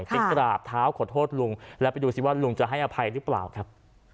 ไปกราบเท้าขอโทษลุงแล้วไปดูสิว่าลุงจะให้อภัยหรือเปล่าครับ